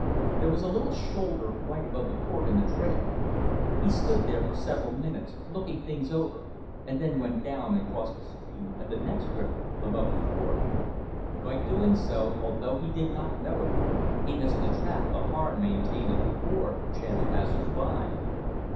There was a little shoulder right above the fork in the trail. He stood there for several minutes, looking things over, and then went down and crossed the stream at the next riffle, above the ford. By doing so, although he did not know it, he missed the trap the Harn maintained at the ford for chance passers by.